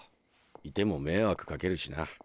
いても迷惑かけるしな。